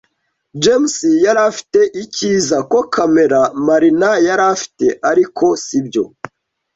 James yari afite icyiza ko kamera Marina yari afite, ariko sibyo.